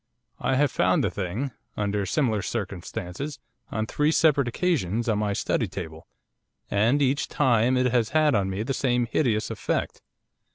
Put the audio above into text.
I have found the thing, under similar circumstances, on three separate occasions, on my study table, and each time it has had on me the same hideous effect.